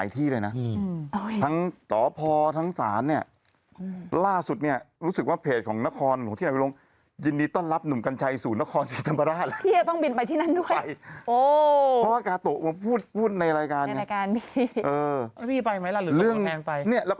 เขาบอกว่าหมอป้านี่เป็นทางทำพี่เป็นทางโลก